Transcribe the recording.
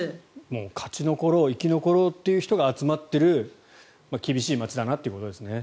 もう勝ち残ろう生き残ろうという人が集まっている厳しい街だなということですね。